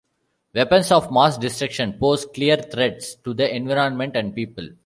Weapons of mass destruction pose clear threats to the environment and people.